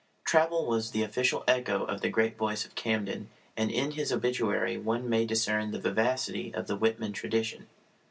Traubel was the official echo of the Great Voice of Camden, and in his obituary one may discern the vivacity of the Whitman tradition.